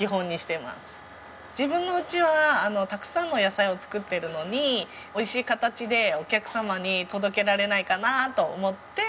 自分の家はたくさんの野菜を作ってるのに美味しい形でお客様に届けられないかなと思って。